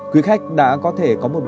quý khách đã có thể có một bộ ảnh